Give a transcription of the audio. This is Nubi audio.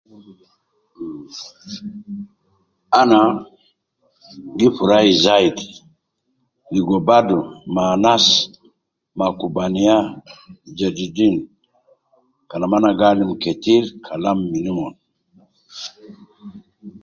Ana gi furai zaidi ligo badu ma anas ma kubaniya jedidin Kalam ana gi alim ketir kalan min omon